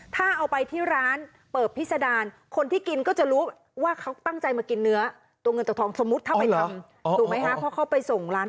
ถ้าเอาไปทำยังไงมันก็ไม่คุ้มอยู่แล้วครับ